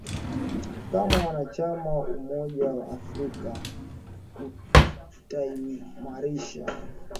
kama mwanachama wa umoja wa afrika kutaimarisha